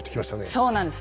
そうなんです。